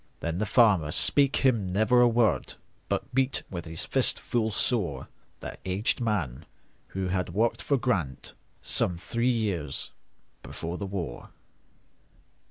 Then the farmer spake him never a word, But beat with his fist full soreThat aged man, who had worked for GrantSome three years before the war.